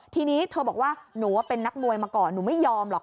ทีนี้เธอบอกว่าหนูเป็นนักมวยมาก่อนหนูไม่ยอมหรอก